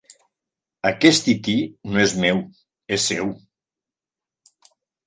Aquest tití no és meu, és seu!